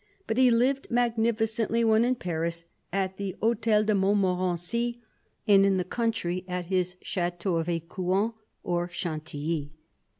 But he lived magnificently, when in Paris, at the Hotel de Mont morency, and in the country at his chateaux of ficouen or Chantilly.